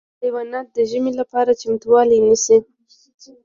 حیوانات د ژمي لپاره چمتووالی نیسي.